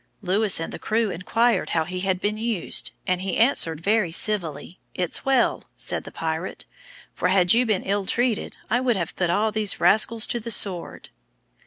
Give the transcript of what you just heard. Lewis and the crew inquired how he had been used, and he answered, very civilly. "It's well," said the pirate, "for had you been ill treated, I would have put all these rascals to the sword."